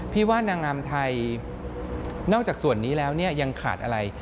พี่ว่านางงามไทยนอกจากส่วนนี้แล้วเนี่ยยังขาดอะไร